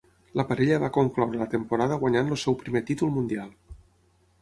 La parella va concloure la temporada guanyant el seu primer títol mundial.